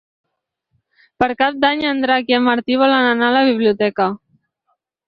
Per Cap d'Any en Drac i en Martí volen anar a la biblioteca.